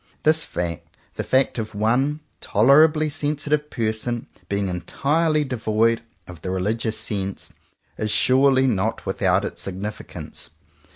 This fact, the fact of one tolerably sensitive person being entirely devoid of the religious sense, is surely not without its significance.